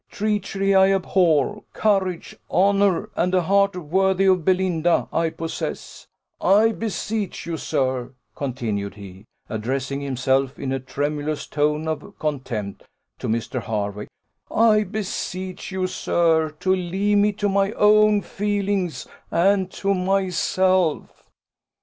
Treachery I abhor; courage, honour, and a heart worthy of Belinda, I possess. I beseech you, sir," continued he, addressing himself, in a tremulous tone of contempt, to Mr. Hervey, "I beseech you, sir, to leave me to my own feelings and to myself."